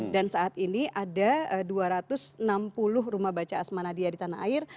dan saat ini ada dua ratus enam puluh rumah baca asma nadia di tanah air